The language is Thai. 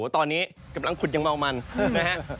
ตอนนี้จะต้องขัดอย่างมาวมันนะครับ